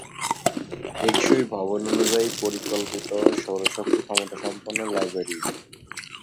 টেকসই ভবন অনুযায়ী পরিকল্পিত, সৌর শক্তি ক্ষমতা সম্পন্ন লাইব্রেরী।